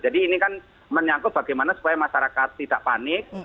jadi ini kan menyangkut bagaimana supaya masyarakat tidak panik